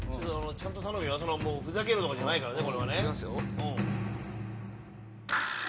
ちゃんと頼むよふざけるとかじゃないからね。